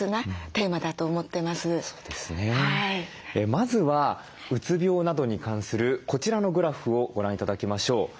まずはうつ病などに関するこちらのグラフをご覧頂きましょう。